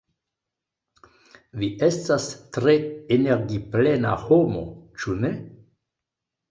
"Vi estas tre energiplena homo, ĉu ne?"